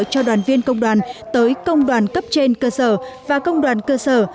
cho đoàn viên công đoàn tới công đoàn cấp trên cơ sở và công đoàn cơ sở